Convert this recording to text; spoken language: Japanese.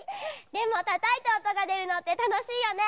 でもたたいておとがでるのってたのしいよね。